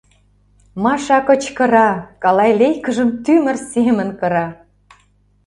Маша кычкыра, калай лейкыжым тӱмыр семын кыра.